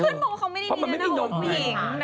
เยอะมั้งคุณของเขาไม่ได้มีเนื้อน้ำหกผิวหญิงเบอร์มั้งฮะ